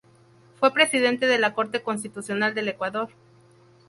Fue Presidente de la Corte Constitucional del Ecuador.